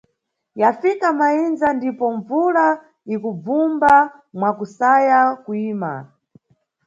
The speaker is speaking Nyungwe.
Yafika mayindza ndipo mbvula ikubvumba mwakusaya kuyima.